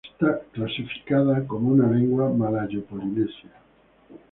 Es clasificado como una lengua malayo-polinesia.